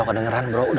takut berasa lupa